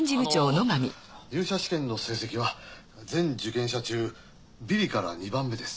あの入社試験の成績は全受験者中ビリから２番目です。